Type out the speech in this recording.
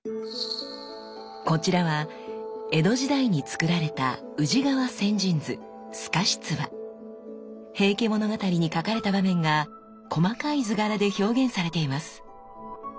こちらは江戸時代につくられた「平家物語」に書かれた場面が細かい図柄で表現されています。